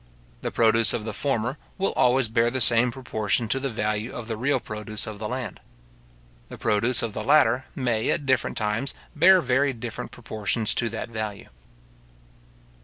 The produce of the former will always bear the same proportion to the value of the real produce of the land. The produce of the latter may, at different times, bear very different proportions to that value.